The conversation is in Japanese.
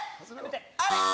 あれ！